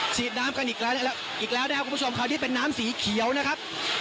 ฉีดน้ำกันอีกแล้วอีกแล้วนะครับคุณผู้ชมคราวนี้เป็นน้ำสีเขียวนะครับ